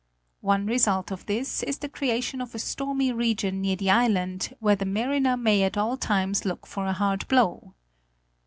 One result of this is the creation of a stormy region near the island, where the mariner may at all times look for a hard blow.